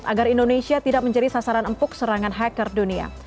agar indonesia tidak menjadi sasaran empuk serangan hacker dunia